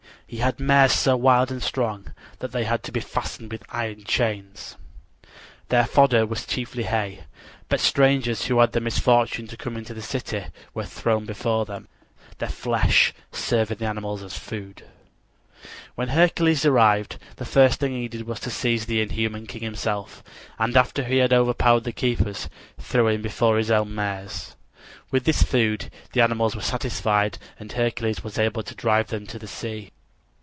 He had mares so wild and strong that they had to be fastened with iron chains. Their fodder was chiefly hay; but strangers who had the misfortune to come into the city were thrown before them, their flesh serving the animals as food. When Hercules arrived the first thing he did was to seize the inhuman king himself and after he had overpowered the keepers, throw him before his own mares. With this food the animals were satisfied and Hercules was able to drive them to the sea.